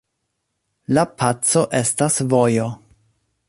La paco estas vojo.